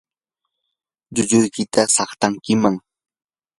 llulluykita saqtankiman.